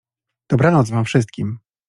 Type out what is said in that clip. — Dobranoc wam wszystkim!